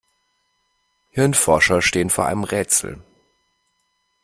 Hirnforscher stehen vor einem Rätsel.